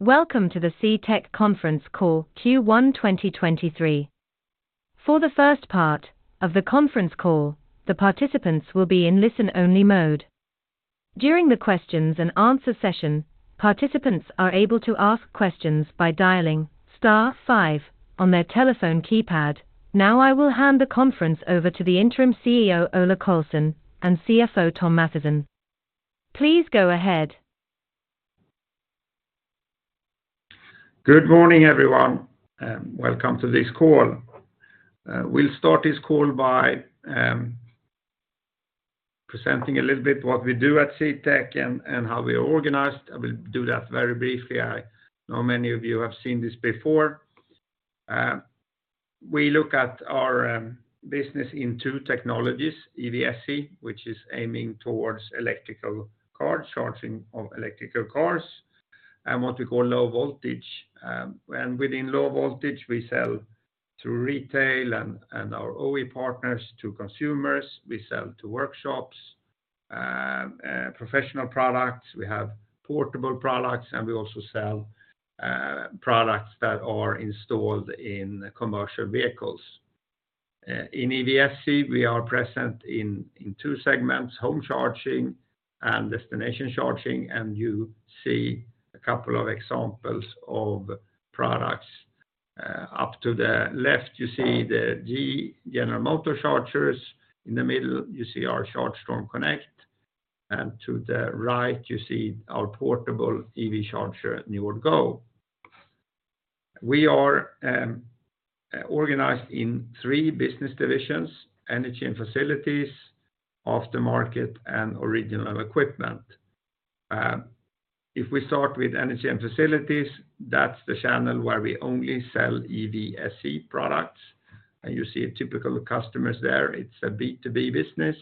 Welcome to the CTEK Conference Call Q1 2023. For the first part of the conference call, the participants will be in listen only mode. During the questions and answer session, participants are able to ask questions by dialing star five on their telephone keypad. I will hand the conference over to the Interim CEO, Ola Carlsson, and CFO, Thom Mathisen. Please go ahead. Good morning, everyone, and welcome to this call. We'll start this call by presenting a little bit what we do at CTEK and how we are organized. I will do that very briefly. I know many of you have seen this before. We look at our business in two technologies, EVSE, which is aiming towards electrical cars, charging of electrical cars, and what we call low voltage. Within low voltage we sell through retail and our OE partners to consumers. We sell to workshops, professional products. We have portable products, and we also sell products that are installed in commercial vehicles. In EVSE, we are present in two segments, Home Charging and Destination Charging, and you see a couple of examples of products. Up to the left you see the General Motors chargers. In the middle you see our Chargestorm Connected. To the right you see our portable EV charger, NJORD GO. We are organized in three business divisions, Energy & Facilities, Aftermarket and Original Equipment. If we start with Energy & Facilities, that's the channel where we only sell EVSE products. You see typical customers there. It's a B2B business.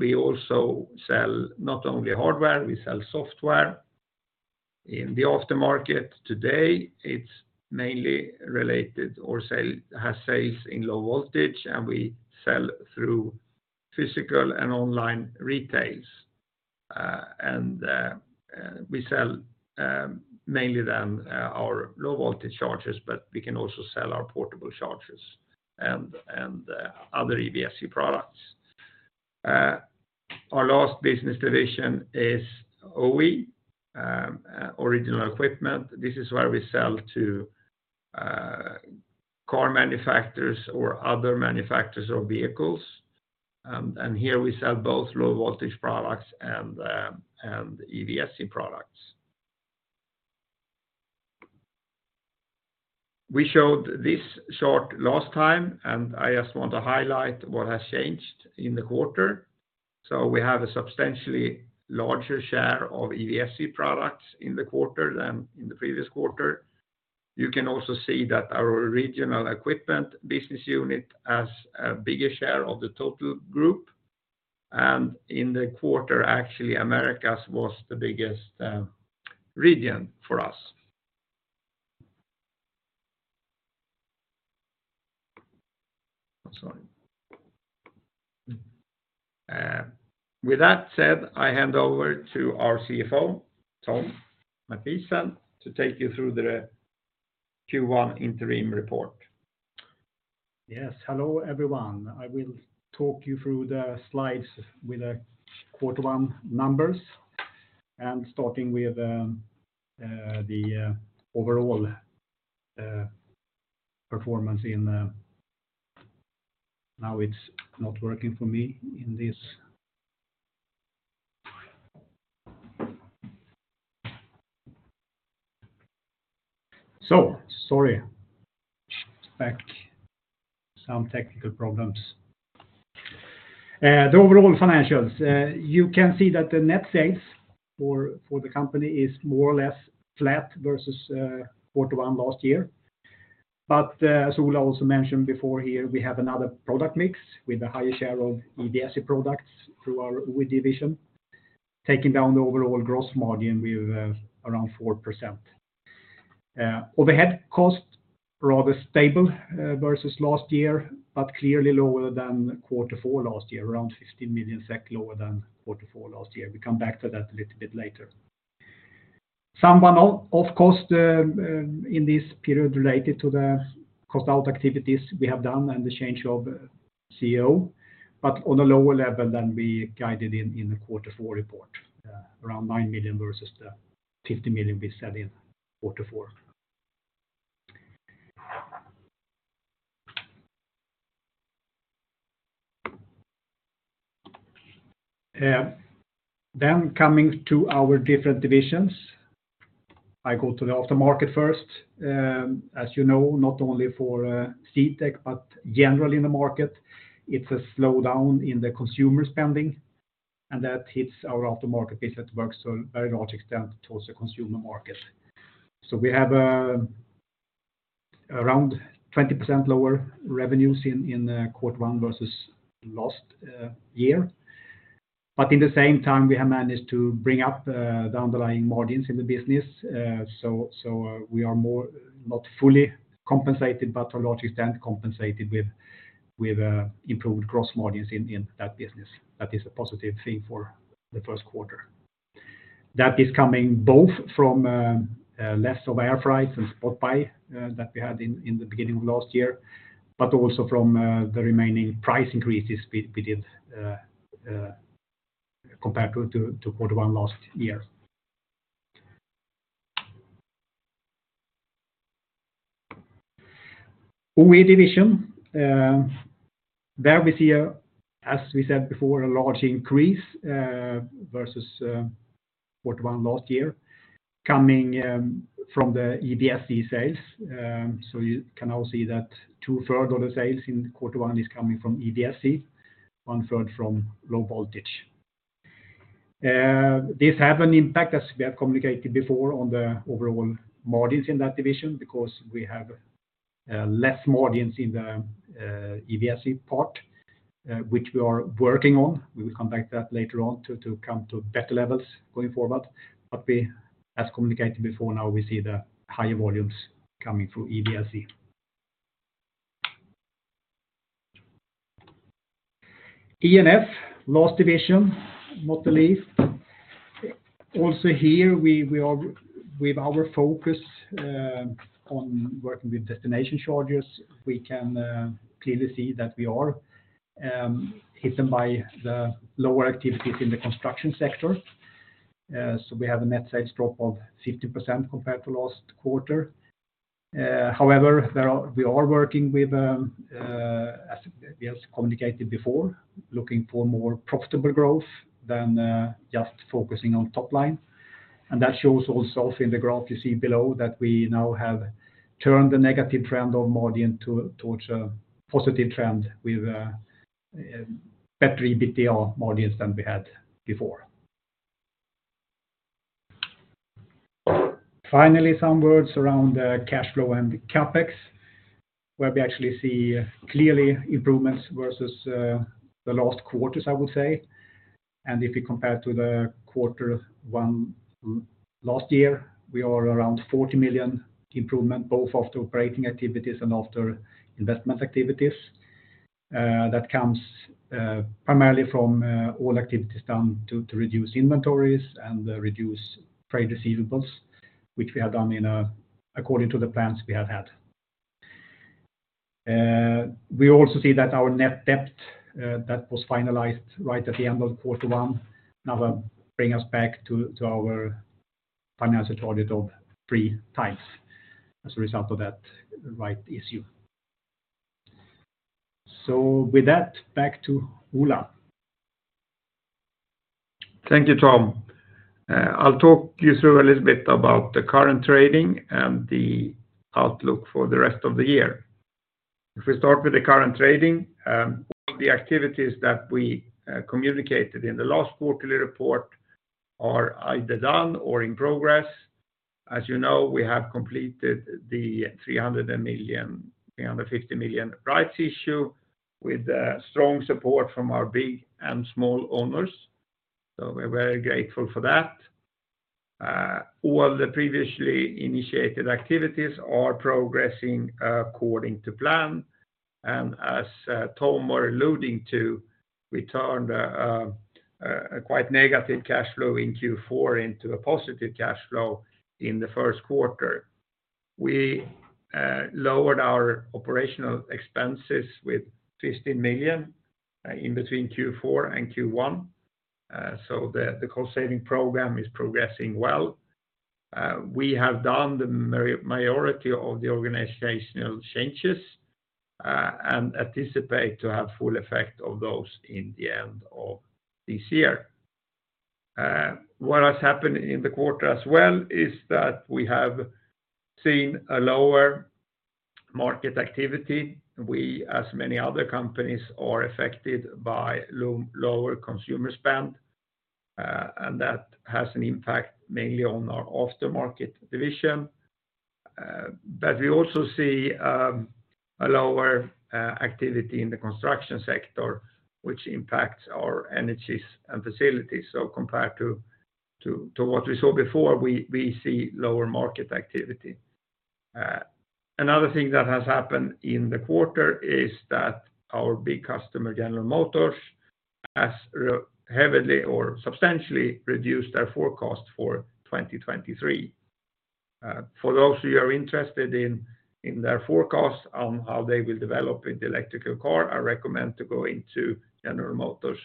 We also sell not only hardware, we sell software. In the Aftermarket today it's mainly related or has sales in low voltage. We sell through physical and online retail. We sell mainly then our low voltage chargers, but we can also sell our portable chargers and other EVSE products. Our last business division is OE, Original Equipment. This is where we sell to car manufacturers or other manufacturers of vehicles. Here we sell both low voltage products and EVSE products. We showed this chart last time. I just want to highlight what has changed in the quarter. We have a substantially larger share of EVSE products in the quarter than in the previous quarter. You can also see that our Original Equipment business unit has a bigger share of the total group. In the quarter, actually, Americas was the biggest region for us. I'm sorry. With that said, I hand over to our CFO, Thom Mathisen to take you through the Q1 interim report. Hello, everyone. The overall financials, you can see that the net sales for the company is more or less flat versus quarter one last year. As Ola Carlsson also mentioned before here, we have another product mix with a higher share of EVSE products through our OE division, taking down the overall gross margin with around 4%. Overhead costs rather stable versus last year, but clearly lower than quarter four last year, around 15 million SEK lower than quarter four last year. We come back to that a little bit later. Some one-off cost in this period related to the cost-out activities we have done and the change of CEO, on a lower level than we guided in the quarter four report, around 9 million versus the 50 million we said in quarter four. Coming to our different divisions. I go to the Aftermarket first. As you know, not only for CTEK, but generally in the market it's a slowdown in the consumer spending, and that hits our Aftermarket business works to a very large extent towards the consumer market. We have around 20% lower revenues in the quarter one versus last year. In the same time we have managed to bring up the underlying margins in the business. We are more not fully compensated, but to a large extent compensated. We have improved gross margins in that business. That is a positive thing for the first quarter. That is coming both from less of air freight and spot buy that we had in the beginning of last year, but also from the remaining price increases we did compared to quarter one last year. OE division, there we see, as we said before, a large increase versus quarter one last year coming from the EVSE sales. You can now see that 2/3 of the sales in quarter one is coming from EVSE, 1/3 from low voltage. This had an impact, as we have communicated before, on the overall margins in that division because we have less margins in the EVSE part, which we are working on. We will come back to that later on to come to better levels going forward. We, as communicated before, now we see the higher volumes coming through EVSE. E&F, last division, not the least. Also here, we are with our focus on working with destination chargers, we can clearly see that we are hit by the lower activities in the construction sector. We have a net sales drop of 50% compared to last quarter. However, we are working with, as we have communicated before, looking for more profitable growth than just focusing on top line. That shows also in the graph you see below that we now have turned the negative trend of margin towards a positive trend with better EBITDA margins than we had before. Finally, some words around cash flow and the CapEx, where we actually see clearly improvements versus the last quarters, I would say. If you compare to the quarter one last year, we are around 40 million improvement, both after operating activities and after investment activities. That comes primarily from all activities done to reduce inventories and reduce trade receivables, which we have done according to the plans we have had. We also see that our net debt, that was finalized right at the end of quarter one now, bring us back to our financial target of three times as a result of that rights issue. With that, back to Ola. Thank you, Thom. I'll talk you through a little bit about the current trading and the outlook for the rest of the year. If we start with the current trading, all the activities that we communicated in the last quarterly report are either done or in progress. As you know, we have completed the 300 million, 350 million rights issue with strong support from our big and small owners. We're very grateful for that. All the previously initiated activities are progressing according to plan. As Thom were alluding to, we turned a quite negative cash flow in Q4 into a positive cash flow in the first quarter. We lowered our operational expenses with 50 million in between Q4 and Q1, the cost-saving program is progressing well. We have done the majority of the organizational changes, and anticipate to have full effect of those in the end of this year. What has happened in the quarter as well is that we have seen a lower market activity. We, as many other companies, are affected by lower consumer spend, and that has an impact mainly on our Aftermarket division. We also see a lower activity in the construction sector, which impacts our Energy & Facilities. Compared to what we saw before, we see lower market activity. Another thing that has happened in the quarter is that our big customer, General Motors, has heavily or substantially reduced their forecast for 2023. For those who are interested in their forecast on how they will develop with the electrical car, I recommend to go into General Motors'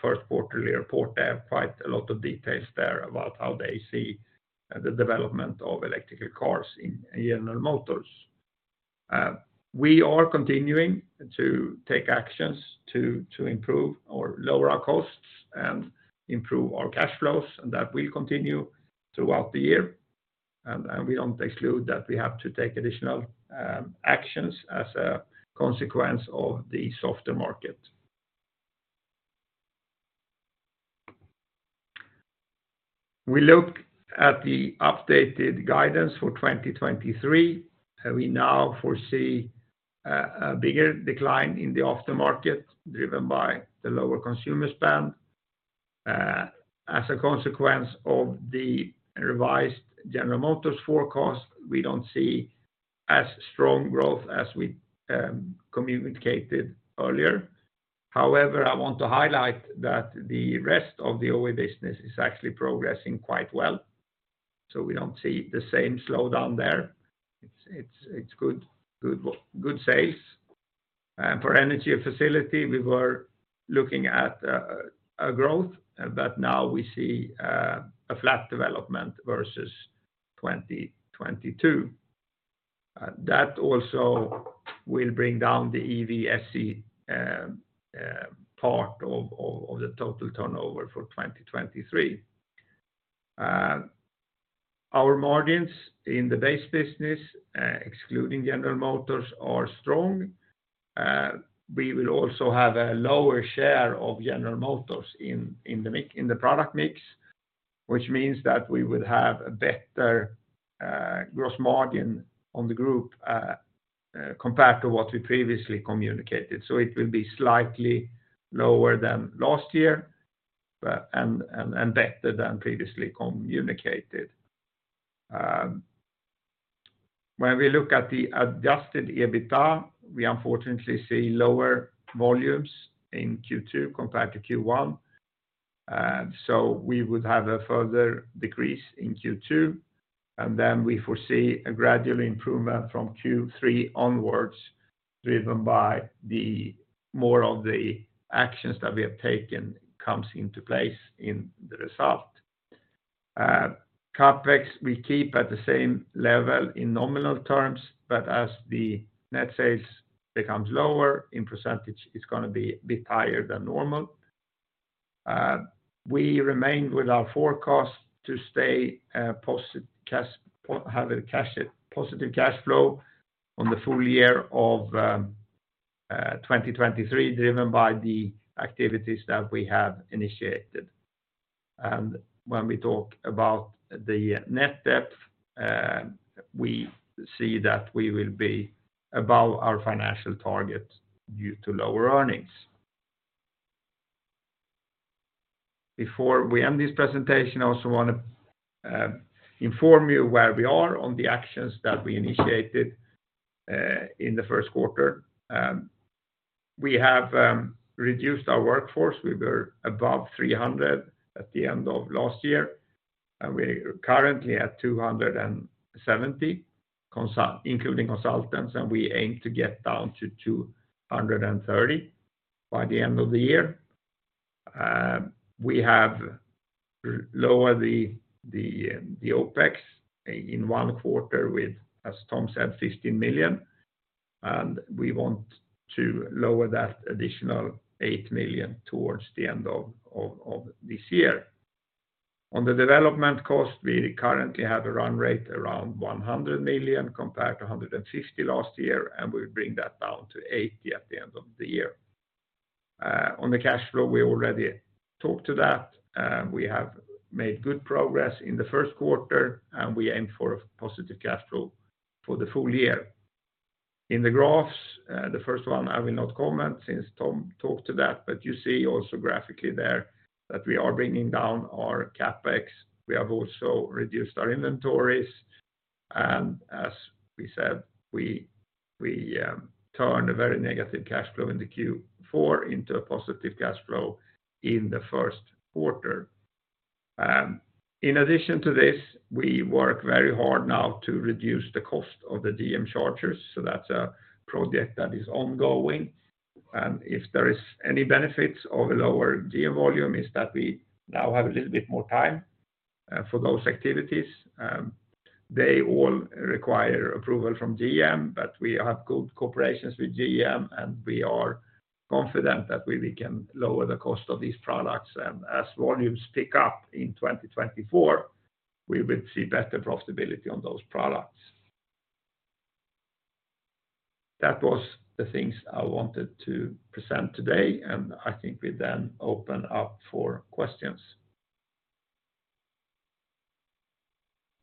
first quarterly report. They have quite a lot of details there about how they see the development of electrical cars in General Motors. We are continuing to take actions to improve or lower our costs and improve our cash flows. That will continue throughout the year. We don't exclude that we have to take additional actions as a consequence of the softer market. We look at the updated guidance for 2023. We now foresee a bigger decline in the Aftermarket driven by the lower consumer spend. As a consequence of the revised General Motors forecast, we don't see as strong growth as we communicated earlier. I want to highlight that the rest of the OE business is actually progressing quite well. We don't see the same slowdown there. It's good sales. For Energy & Facilities, we were looking at a growth, now we see a flat development versus 2022. That also will bring down the EVSE part of the total turnover for 2023. Our margins in the base business, excluding General Motors are strong. We will also have a lower share of General Motors in the mix, in the product mix, which means that we will have a better gross margin on the group compared to what we previously communicated. It will be slightly lower than last year and better than previously communicated. When we look at the adjusted EBITDA, we unfortunately see lower volumes in Q2 compared to Q1. We would have a further decrease in Q2, and then we foresee a gradual improvement from Q3 onwards, driven by the more of the actions that we have taken comes into place in the result. CapEx we keep at the same level in nominal terms, but as the net sales becomes lower in percentage, it's gonna be a bit higher than normal. We remain with our forecast to have a positive cash flow on the full year of 2023, driven by the activities that we have initiated. When we talk about the net debt, we see that we will be above our financial target due to lower earnings. Before we end this presentation, I also wanna inform you where we are on the actions that we initiated in the first quarter. We have reduced our workforce. We were above 300 at the end of last year, and we're currently at 270 including consultants, and we aim to get down to 230 by the end of the year. We have lowered the OpEx in one quarter with, as Thom Mathisen said, 15 million, and we want to lower that additional 8 million towards the end of this year. On the development cost, we currently have a run rate around 100 million compared to 150 million last year, and we'll bring that down to 80 million at the end of the year. On the cash flow, we already talked to that. We have made good progress in the first quarter, we aim for a positive cash flow for the full year. In the graphs, the first one I will not comment since Thom Mathisen talked to that, you see also graphically there that we are bringing down our CapEx. We have also reduced our inventories. As we said, we turned a very negative cash flow into Q4 into a positive cash flow in the first quarter. In addition to this, we work very hard now to reduce the cost of the GM chargers, that's a project that is ongoing. If there is any benefits of a lower GM volume is that we now have a little bit more time for those activities. They all require approval from GM, but we have good cooperations with GM, and we are confident that we can lower the cost of these products. As volumes pick up in 2024, we will see better profitability on those products. That was the things I wanted to present today, and I think we then open up for questions.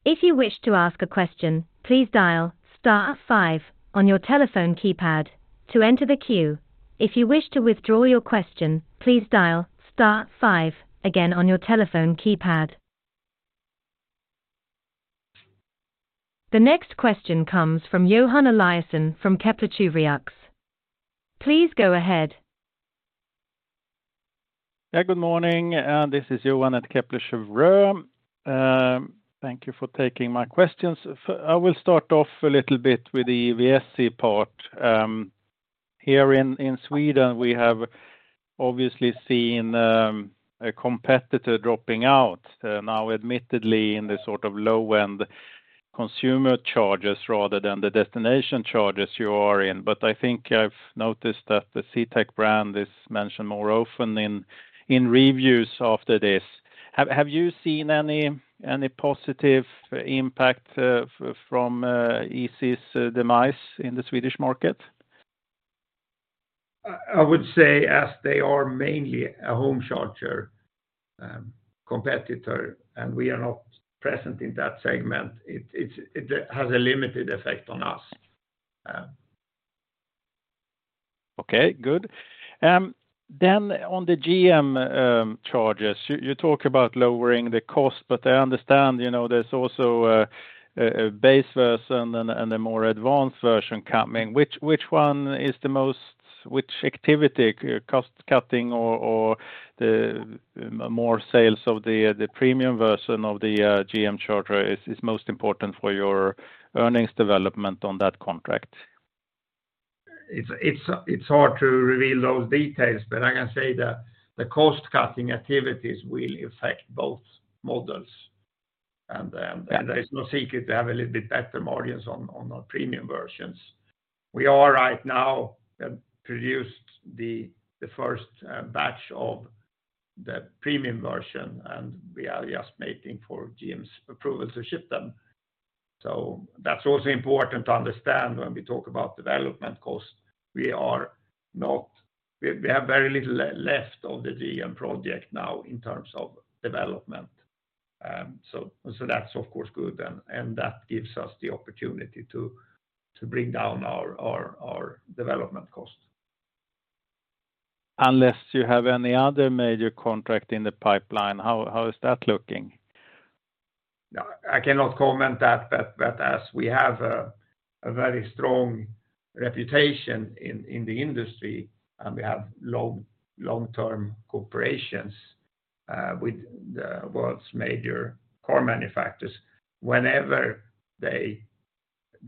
If you wish to ask a question, please dial star five on your telephone keypad to enter the queue. If you wish to withdraw your question, please dial star five again on your telephone keypad. The next question comes from Johan Eliason from Kepler Cheuvreux. Please go ahead. Good morning. This is Johan at Kepler Cheuvreux. Thank you for taking my questions. I will start off a little bit with the EVSE part. Here in Sweden, we have obviously seen a competitor dropping out, now admittedly in the sort of low-end consumer chargers rather than the destination chargers you are in. I think I've noticed that the CTEK brand is mentioned more often in reviews after this. Have you seen any positive impact from Easee's demise in the Swedish market? I would say as they are mainly a home charger, competitor, and we are not present in that segment, it has a limited effect on us. Okay, good. On the GM charges, you talk about lowering the cost, but I understand, you know, there's also a base version and a more advanced version coming. Which activity cost cutting or more sales of the premium version of the GM charger is most important for your earnings development on that contract? It's hard to reveal those details, but I can say the cost cutting activities will affect both models. There is no secret to have a little bit better margins on our premium versions. We are right now produced the first batch of the premium version, and we are just waiting for GM's approval to ship them. That's also important to understand when we talk about development cost. We have very little left of the GM project now in terms of development. That's of course good and that gives us the opportunity to bring down our development cost. Unless you have any other major contract in the pipeline, how is that looking? No, I cannot comment that, but as we have a very strong reputation in the industry, and we have long-term cooperations with the world's major car manufacturers, whenever they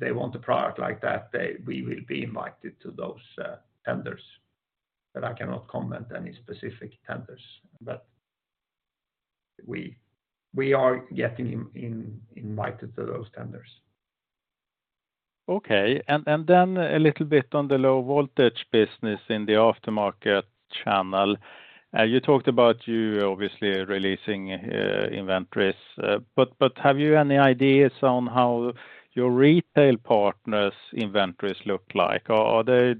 want a product like that, we will be invited to those tenders. I cannot comment any specific tenders. We are getting invited to those tenders. Okay. Then a little bit on the low voltage business in the Aftermarket channel. You talked about you obviously releasing inventories. Have you any ideas on how your retail partners inventories look like? Are they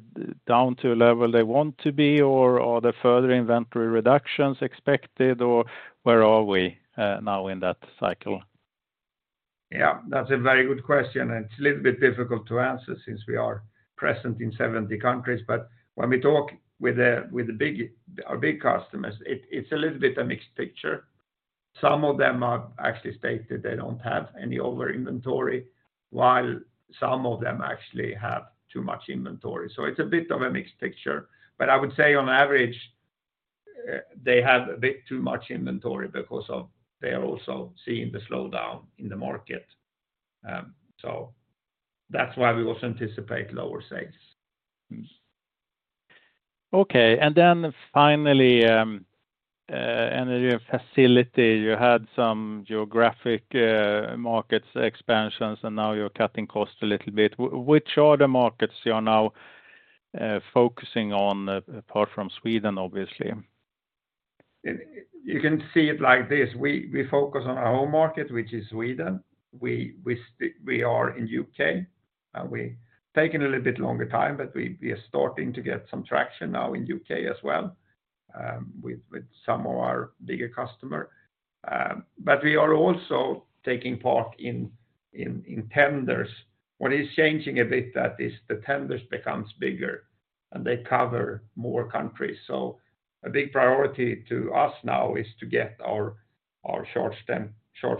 down to a level they want to be, or are there further inventory reductions expected, or where are we now in that cycle? Yeah, that's a very good question. It's a little bit difficult to answer since we are present in 70 countries. When we talk with our big customers, it's a little bit a mixed picture. Some of them have actually stated they don't have any over-inventory, while some of them actually have too much inventory. It's a bit of a mixed picture. I would say on average, they have a bit too much inventory because of they are also seeing the slowdown in the market. That's why we also anticipate lower sales. Okay. Finally, energy facility, you had some geographic, markets expansions, and now you're cutting costs a little bit. Which are the markets you are now focusing on, apart from Sweden, obviously? You can see it like this. We focus on our home market, which is Sweden. We are in U.K., and we've taken a little bit longer time, but we are starting to get some traction now in U.K. as well, with some of our bigger customer. We are also taking part in tenders. What is changing a bit that is the tenders becomes bigger, and they cover more countries. A big priority to us now is to get our charge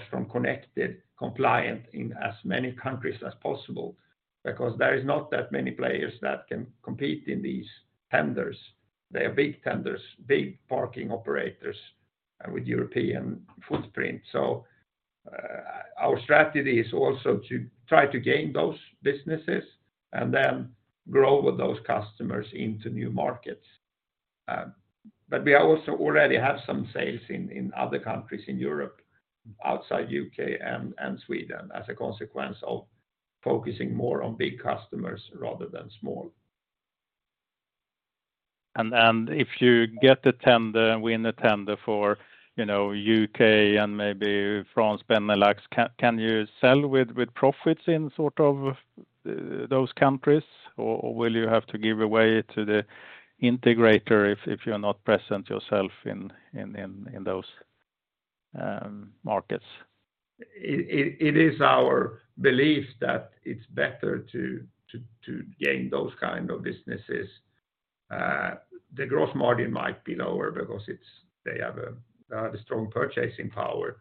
point connected-compliant in as many countries as possible because there is not that many players that can compete in these tenders. They are big tenders, big parking operators, with European footprint. Our strategy is also to try to gain those businesses and then grow with those customers into new markets. We also already have some sales in other countries in Europe, outside U.K. and Sweden as a consequence of focusing more on big customers rather than small. If you get a tender, win a tender for, you know, U.K. and maybe France, Benelux, can you sell with profits in sort of those countries? Or will you have to give away to the integrator if you're not present yourself in those markets? It is our belief that it's better to gain those kind of businesses. The gross margin might be lower because they have a strong purchasing power.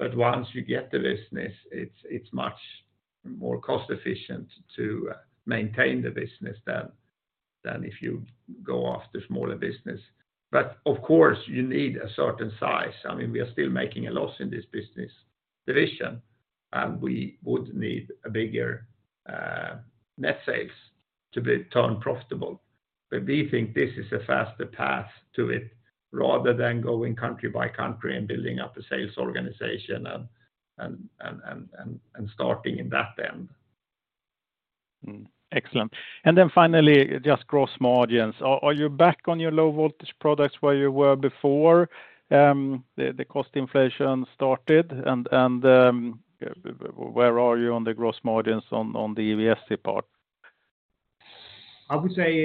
Once you get the business, it's much more cost efficient to maintain the business than if you go after smaller business. Of course, you need a certain size. I mean, we are still making a loss in this business division, and we would need a bigger net sales to be turned profitable. We think this is a faster path to it rather than going country by country and building up a sales organization and starting in that end. Excellent. Finally, just gross margins. Are you back on your low voltage products where you were before the cost inflation started? Where are you on the gross margins on the EVSE part? I would say,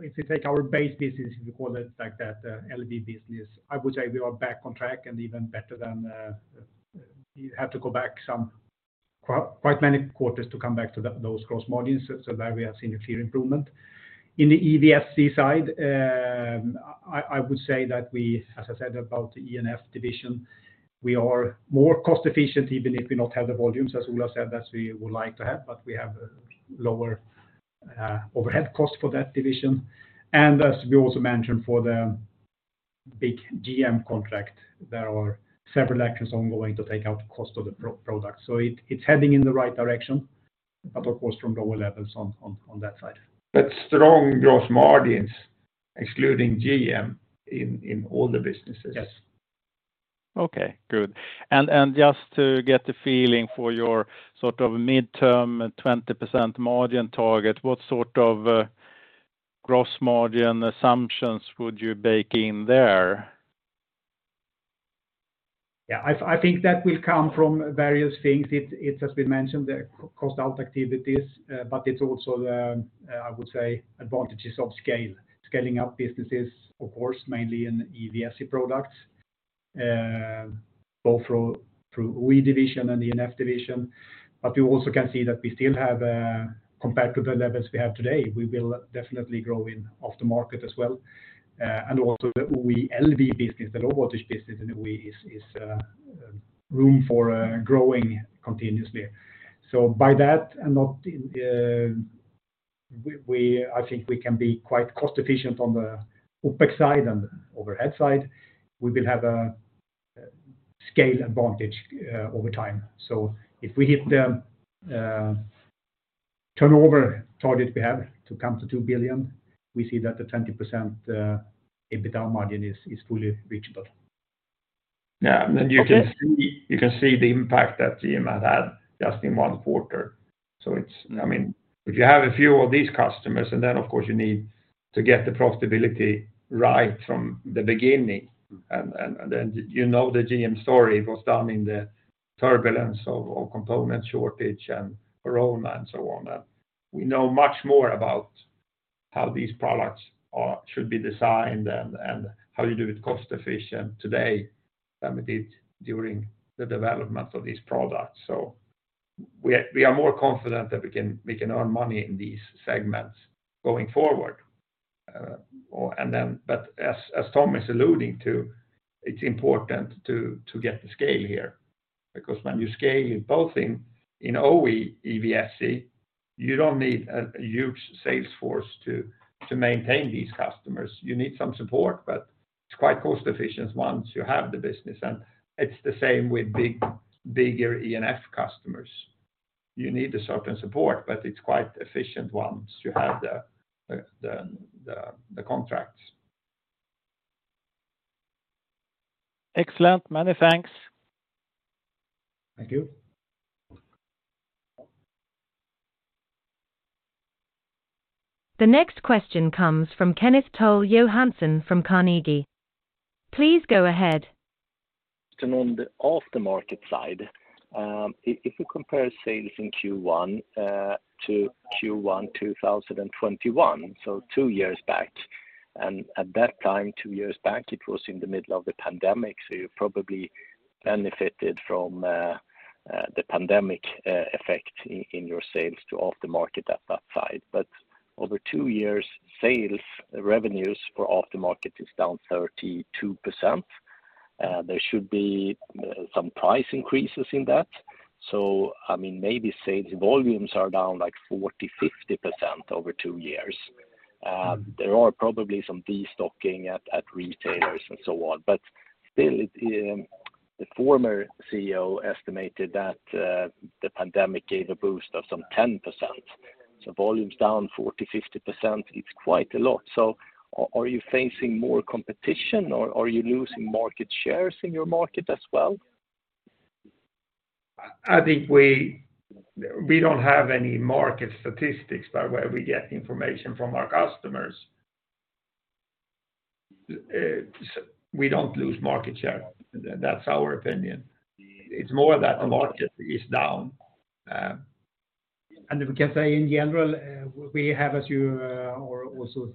if we take our base business, if you call it like that, LV business, I would say we are back on track and even better than, you have to go back some. Quite many quarters to come back to those gross margins. There we have seen a clear improvement. In the EVSE side, I would say that we, as I said about the E&F division, we are more cost efficient even if we not have the volumes, as Ola said, as we would like to have. We have lower overhead costs for that division. As we also mentioned for the big GM contract, there are several actions ongoing to take out the cost of the product. It's heading in the right direction, but of course from lower levels on that side. Strong gross margins excluding GM in all the businesses. Yes. Okay, good. Just to get a feeling for your sort of midterm 20% margin target, what sort of gross margin assumptions would you bake in there? Yeah. I think that will come from various things. It has been mentioned the cost out activities, but it's also the, I would say advantages of scale. Scaling up businesses, of course, mainly in EVSE products, both through OE division and the E&F division. You also can see that we still have, compared to the levels we have today, we will definitely grow in Aftermarket as well. Also the OE LV business, the low voltage business in OE is room for growing continuously. By that and not in... I think we can be quite cost efficient on the OpEx side and overhead side. We will have a scale advantage over time. If we hit the turnover target we have to come to 2 billion, we see that the 20% EBITDA margin is fully reachable. Yeah. Okay. You can see, the impact that GM had just in 1 quarter. Yeah. I mean, if you have a few of these customers, then of course you need to get the profitability right from the beginning. You know the GM story, it was done in the turbulence of component shortage and raw material and so on. We know much more about how these products should be designed and how you do it cost efficient today than we did during the development of these products. We are more confident that we can earn money in these segments going forward. As Thom is alluding to, it's important to get the scale here. When you scale both in OE EVSE, you don't need a huge sales force to maintain these customers. You need some support, but it's quite cost efficient once you have the business. It's the same with bigger E&F customers. You need a certain support, but it's quite efficient once you have the contracts. Excellent. Many thanks. Thank you. The next question comes from Kenneth Toll Johansson from Carnegie. Please go ahead. On the Aftermarket side, if you compare sales in Q1 to Q1 2021, so two years back, at that time, two years back, it was in the middle of the pandemic, so you probably benefited from the pandemic effect in your sales to Aftermarket at that time. Over two years, sales revenues for Aftermarket is down 32%. There should be some price increases in that. I mean, maybe sales volumes are down like 40%, 50% over two years. There are probably some destocking at retailers and so on. Still, the former CEO estimated that the pandemic gave a boost of some 10%. Volumes down 40%, 50%, it's quite a lot. Are you facing more competition or are you losing market shares in your market as well? I think we don't have any market statistics. Where we get information from our customers, we don't lose market share. That's our opinion. It's more that the market is down. We can say in general, we have as you, or also,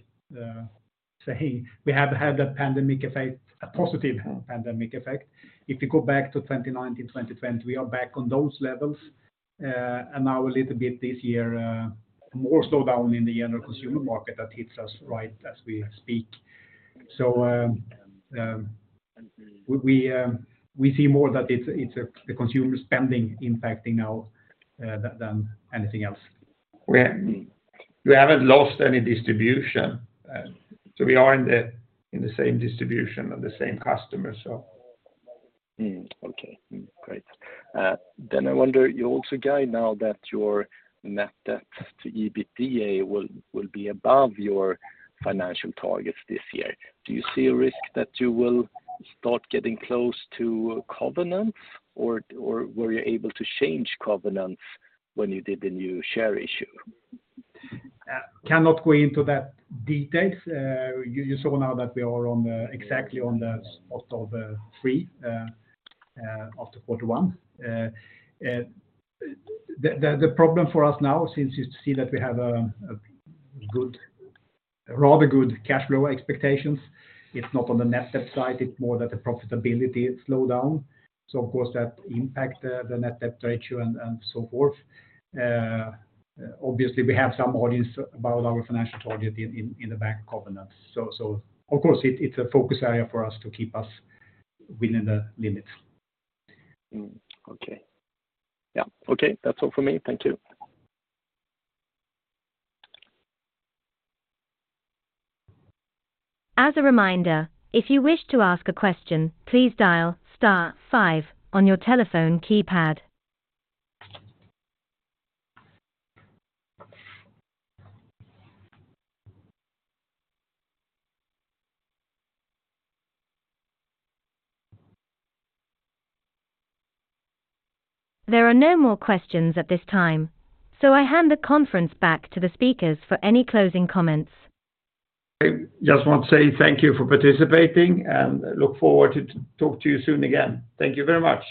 saying, we have had the pandemic effect, a positive pandemic effect. If you go back to 2019, 2020, we are back on those levels. Now a little bit this year, more so down in the general consumer market that hits us right as we speak. We see more that it's a, the consumer spending impacting now, than anything else. We haven't lost any distribution. We are in the same distribution and the same customer. Okay. Great. I wonder, you also guide now that your net debt to EBITDA will be above your financial targets this year. Do you see a risk that you will start getting close to covenants or were you able to change covenants when you did the new share issue? Cannot go into that details. You saw now that we are on the, exactly on the spot of 3 after quarter one. The problem for us now since you see that we have a good, rather good cash flow expectations, it's not on the net debt side, it's more that the profitability slow down. Of course, that impact the net debt ratio and so forth. Obviously, we have some audience about our financial target in the bank covenants. Of course it's a focus area for us to keep us within the limits. Okay. Yeah. Okay. That's all for me. Thank you. As a reminder, if you wish to ask a question, please dial star five on your telephone keypad. There are no more questions at this time. I hand the conference back to the speakers for any closing comments. I just want to say thank you for participating and look forward to talk to you soon again. Thank you very much.